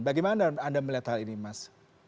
bagaimana anda melihat hal ini mas